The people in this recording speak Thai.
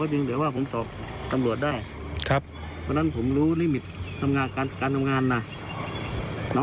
อันนี้ตัดมาให้ดูแค่บางช่วงนะคุณ